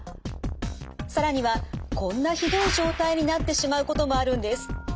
更にはこんなひどい状態になってしまうこともあるんです。